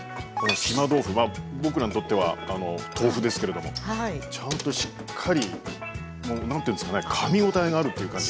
島豆腐は僕らにとっては豆腐ですけれどもちゃんとしっかりもう何て言うんですかねかみ応えがあるっていうか。